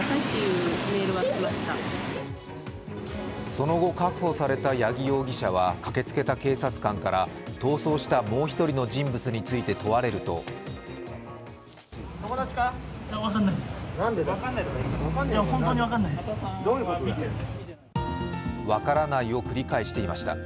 その後、確保された八木容疑者は駆けつけた警察官から逃走したもう１人の人物について問われると「分からない」を繰り返していました。